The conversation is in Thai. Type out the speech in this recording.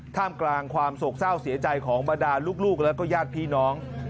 ท่ามกลางความโศกเศร้าเสียใจของบรรดาลูกแล้วก็ญาติพี่น้อง